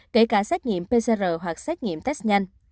kể cả xét nghiệm pcr hoặc xét nghiệm test nhanh